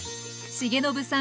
重信さん